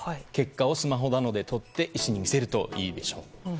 結果をスマホなどで撮って、医師に見せるといいでしょう。